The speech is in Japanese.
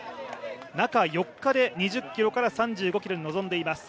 中４日で２０ｋｍから３５ｋｍに臨んでいます。